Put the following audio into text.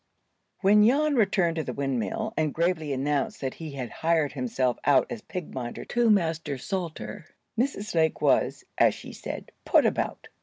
WHEN Jan returned to the windmill, and gravely announced that he had hired himself out as pig minder to Master Salter, Mrs. Lake was, as she said, "put about."